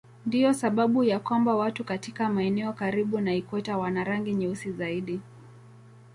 Ndiyo sababu ya kwamba watu katika maeneo karibu na ikweta wana rangi nyeusi zaidi.